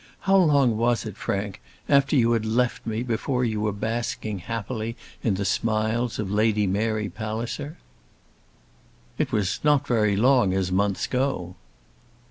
How long was it, Frank, after you had left me before you were basking happily in the smiles of Lady Mary Palliser?" "It was not very long, as months go."